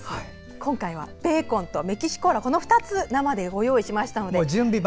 今回はベーコンとメキシコ―ラこの２つを生でご用意しました。